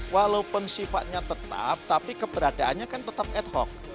walaupun sifatnya tetap tapi keberadaannya kan tetap ad hoc